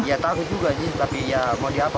ya takut juga sih tapi ya mau diapa